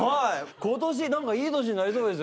今年何かいい年になりそうです。